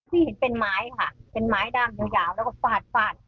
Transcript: ที่เห็นเป็นไม้ค่ะเป็นไม้ด้ามยาวแล้วก็ฟาดฟาด